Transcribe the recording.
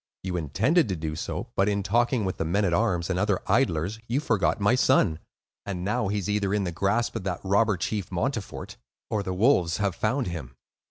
You intended to do so; but in talking with the men at arms and other idlers, you forgot my son; and now, he is either in the grasp of that robber chief Montfort, or the wolves have found him."